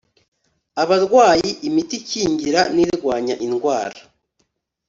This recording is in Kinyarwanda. abarwayi imiti ikingira n irwanya indwara